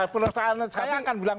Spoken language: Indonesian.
perusahaan saya akan bilang